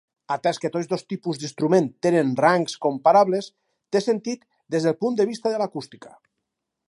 Atès que tots dos tipus d'instrument tenen rangs comparables, té sentit des del punt de vista de l'acústica.